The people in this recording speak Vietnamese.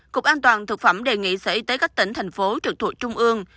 cục an toàn thực phẩm đề nghị sở y tế các tỉnh thành phố trực thuộc trung ương